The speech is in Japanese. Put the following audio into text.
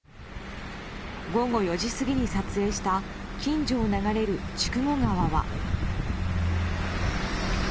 午後４時過ぎに撮影した近所を流れる筑後川は。